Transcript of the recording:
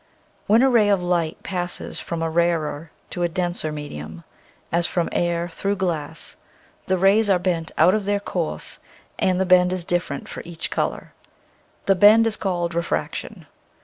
When a ray of light passes from a rarer to a denser medium — as from air through glass — the rays are bent out of their course and the bend is different for each color. This bend is called refraction.